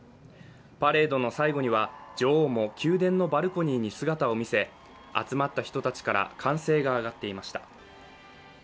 パレードの最後には女王も宮殿のバルコニーに姿を見せ集まった人たちから歓声が上がっていました。